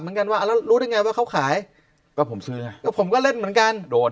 แล้วรู้ได้ไงว่าเขาขายก็ผมซื้อผมก็เล่นเหมือนกันโดน